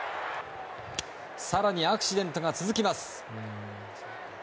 更にアクシデントが続きます。